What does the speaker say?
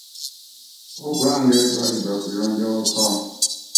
Ogwange gwali gwa kuyonja waka.